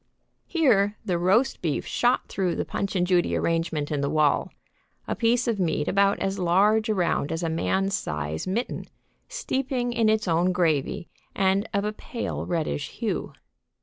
Here the roast beef shot through the Punch and Judy arrangement in the wall, a piece of meat about as large around as a man's size mitten, steeping in its own gravy and of a pale reddish hue.